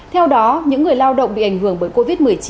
theo đó những người lao động bị ảnh hưởng bởi covid một mươi chín